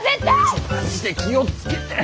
ちょマジで気を付けて。